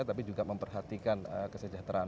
tapi juga memperhatikan kesejahteraan